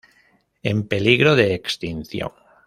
En peligro de extinción.